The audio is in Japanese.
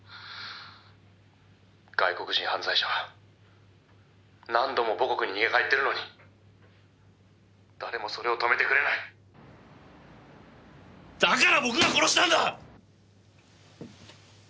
「外国人犯罪者は何度も母国に逃げ帰ってるのに誰もそれを止めてくれない」だから僕が殺したんだ！